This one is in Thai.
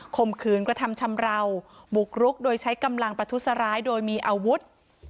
มขืนกระทำชำราวบุกรุกโดยใช้กำลังประทุษร้ายโดยมีอาวุธ